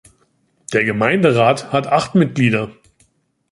Der Gemeinderat hat acht Mitglieder.